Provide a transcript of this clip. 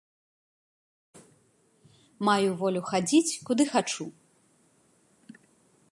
Маю волю хадзіць, куды хачу.